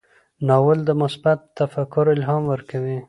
ناول د مثبت تفکر الهام ورکوي.